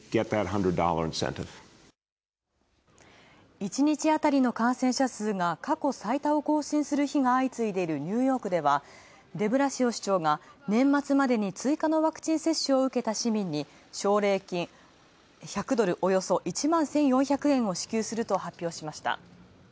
１日あたりの感染者数が過去最多を更新する日が相次いでいるニューヨークではデブラシオ市長が年末までにワクチン接種を受けた市民に奨励金、１００ドルおよそ１万１４００円を支給すると発表しました。